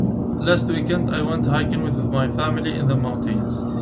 Last weekend, I went hiking with my family in the mountains.